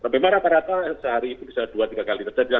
memang rata rata sehari itu bisa dua tiga kali terjadi